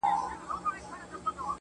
په سل ځله دي غاړي ته لونگ در اچوم.